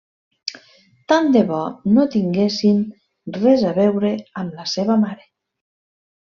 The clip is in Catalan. Tant de bo no tinguessin res a veure amb la seva mare.